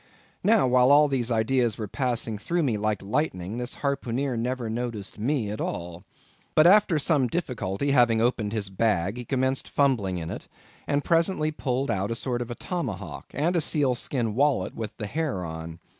Now, while all these ideas were passing through me like lightning, this harpooneer never noticed me at all. But, after some difficulty having opened his bag, he commenced fumbling in it, and presently pulled out a sort of tomahawk, and a seal skin wallet with the hair on.